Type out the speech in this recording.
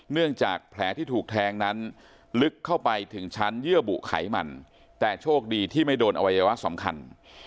เนื่องจากแผลที่ถูกแทงนั้นลึกเข้าไปถึงชั้นเยื่อบุไขมันแต่โชคดีที่ไม่โดนอวัยวะสำคัญ